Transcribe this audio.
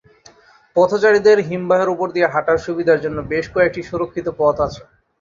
পথচারীদের হিমবাহের উপর দিয়ে হাঁটার সুবিধার জন্য বেশ কয়েকটি সুরক্ষিত পথ আছে।